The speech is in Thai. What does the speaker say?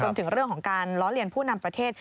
ถึงเรื่องของการล้อเลียนผู้นำประเทศ